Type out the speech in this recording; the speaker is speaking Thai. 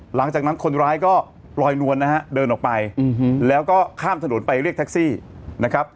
หลังจากนั้นคนร้ายก็ลอยนวลนะฮะเดินออกไปแล้วก็ข้ามถนนไปเรียกแท็กซี่นะครับ